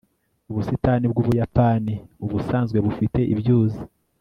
ubusitani bw'ubuyapani ubusanzwe bufite ibyuzi